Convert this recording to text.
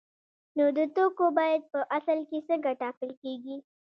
نو د توکو بیه په اصل کې څنګه ټاکل کیږي؟